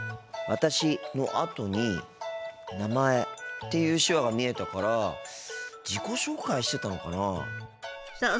「私」のあとに「名前」っていう手話が見えたから自己紹介してたのかなあ。